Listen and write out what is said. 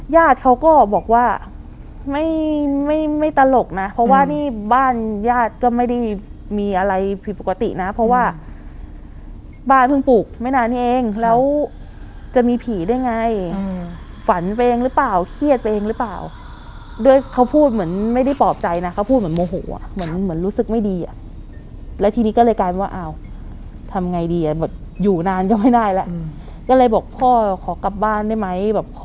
ญาติเขาก็บอกว่าไม่ไม่ตลกนะเพราะว่านี่บ้านญาติก็ไม่ได้มีอะไรผิดปกตินะเพราะว่าบ้านเพิ่งปลูกไม่นานเองแล้วจะมีผีได้ไงฝันไปเองหรือเปล่าเครียดไปเองหรือเปล่าด้วยเขาพูดเหมือนไม่ได้ปลอบใจนะเขาพูดเหมือนโมโหอ่ะเหมือนเหมือนรู้สึกไม่ดีอ่ะแล้วทีนี้ก็เลยกลายว่าอ้าวทำไงดีอ่ะแบบอยู่นานก็ไม่ได้แล้วก็เลยบอกพ่อขอกลับบ้านได้ไหมแบบขอ